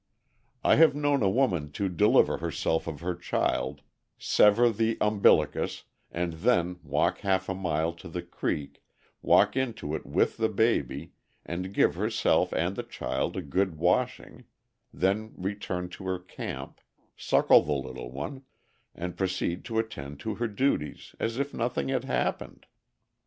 I have known a woman to deliver herself of her child, sever the umbilicus, and then walk half a mile to the creek, walk into it with the baby, and give herself and the child a good washing, then return to her camp, suckle the little one, and proceed to attend to her duties as if nothing had happened.